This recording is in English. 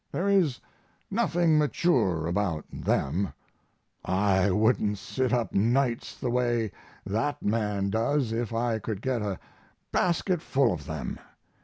There is nothing mature about them; I wouldn't sit up nights the way that man does if I could get a basketful of them.